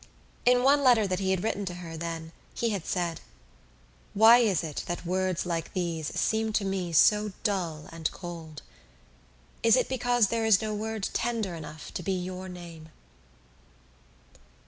In one letter that he had written to her then he had said: "Why is it that words like these seem to me so dull and cold? Is it because there is no word tender enough to be your name?"